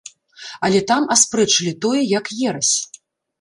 Але там аспрэчылі тое як ерась.